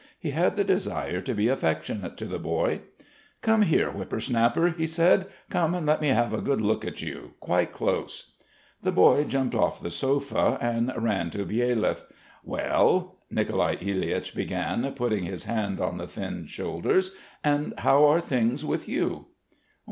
He had the desire to be affectionate to the boy. "Come here, whipper snapper," he said. "Come and let me have a good look at you, quite close." The boy jumped off the sofa and ran to Byelyaev. "Well?" Nicolai Ilyich began, putting his hand on the thin shoulders. "And how are things with you?"